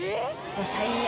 最悪。